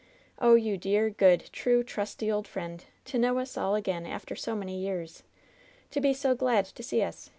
"Oh, you dear, good, true, trusty old fellow ! To know us all again after so many years ! To be so glad to see us